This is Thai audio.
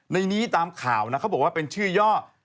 ในนี้ตามข่าวนะเขาบอกว่าเป็นชื่อย่อ